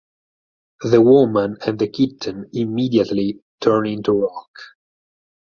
The woman and the kitten immediately turn into rock.